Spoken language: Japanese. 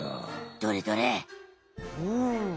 どれどれお。